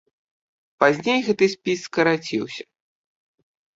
Пазней гэты спіс скараціўся.